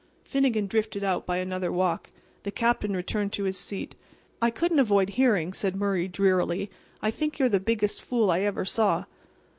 Finnegan drifted out by another walk. The Captain returned to his seat. "I couldn't avoid hearing," said Murray, drearily. "I think you are the biggest fool I ever saw."